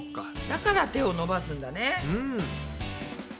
だから手を伸ばすんだね。